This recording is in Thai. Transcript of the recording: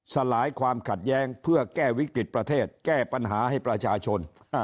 สลายความขัดแย้งเพื่อแก้วิกฤติประเทศแก้ปัญหาให้ประชาชน